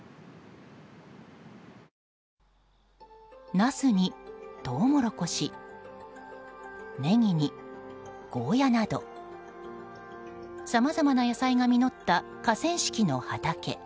ナスにトウモロコシネギにゴーヤなどさまざまな野菜が実った河川敷の畑。